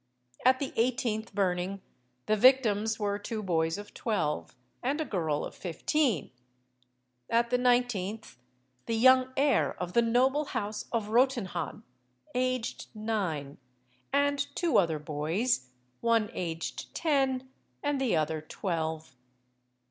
At the eighteenth burning the victims were two boys of twelve, and a girl of fifteen; at the nineteenth, the young heir of the noble house of Rotenhahn, aged nine, and two other boys, one aged ten, and the other twelve.